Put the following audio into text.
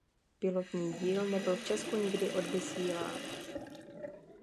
Pilotní díl nebyl v česku nikdy odvysílán.